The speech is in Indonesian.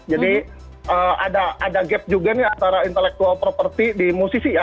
jadi ada gap juga nih antara intellectual property di musisi ya